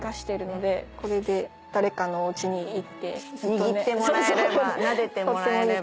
握ってもらえればなでてもらえれば。